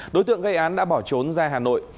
đối tượng gây án đã bỏ trốn ra hà nội